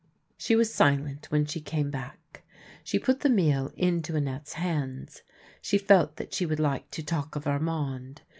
She was silent when she PARPON THE DWARF 213 came back. She put the meal into Annette's hands. She felt that she would like to talk of Armand.